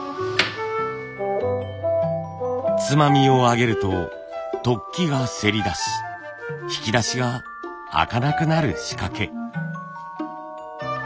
つまみを上げると突起がせり出し引き出しが開かなくなる仕掛け。